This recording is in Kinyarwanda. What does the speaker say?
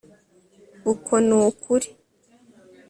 ukwo ni ukuri